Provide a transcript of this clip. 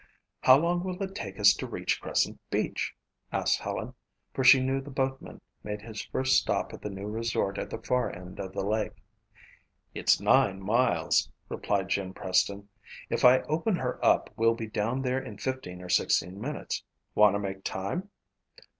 "How long will it take us to reach Crescent Beach?" asked Helen for she knew the boatman made his first stop at the new resort at the far end of the lake. "It's nine miles," replied Jim Preston. "If I open her up we'll be down there in fifteen or sixteen minutes. Want to make time?"